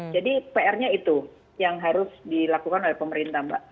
jadi pr nya itu yang harus dilakukan oleh pemerintah mbak